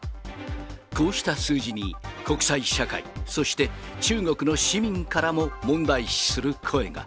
こうした数字に国際社会、そして中国の市民からも問題視する声が。